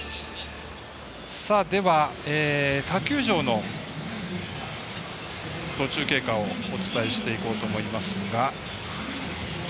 では、他球場の途中経過をお伝えしていこうと思います。